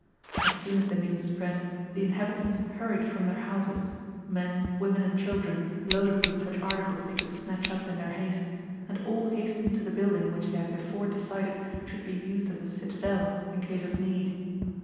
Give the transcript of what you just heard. As soon as the news spread, the inhabitants hurried from their houses, men, women, and children, loaded with such articles they could snatch up in their haste, and all hastened to the building which they had before decided should be used as a citadel in case of need.